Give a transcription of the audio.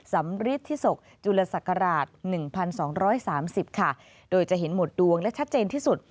สำริทธิศกษ์จุลศักราชหนึ่งพันสองร้อยสามสิบค่ะโดยจะเห็นหมดดวงและชัดเจนที่สุด